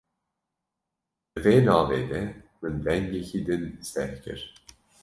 Di vê navê de min dengekî din seh kir.